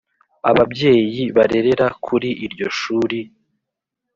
Ababyeyi barerera kuri iryo shuri